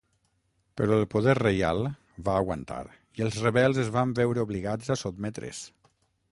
Però el poder reial va aguantar i els rebels es van veure obligats a sotmetre's.